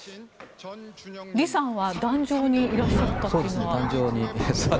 李さんは壇上にいらっしゃったというのは？